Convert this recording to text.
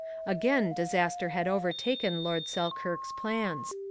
Again disaster had overtaken Lord Selkirk's plans.